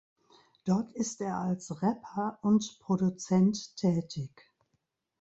Dort ist er als Rapper und Produzent tätig.